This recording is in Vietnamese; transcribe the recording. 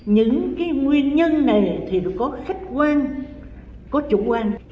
những cái nguyên nhân này thì có khách quan có chủ quan